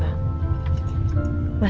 dua tahun lebih malah